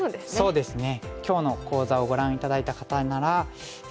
そうですね。